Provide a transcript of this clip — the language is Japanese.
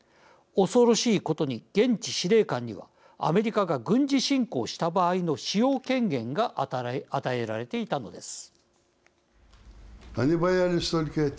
恐ろしいことに現地司令官にはアメリカが軍事侵攻した場合の使用権限が与えられていたのです。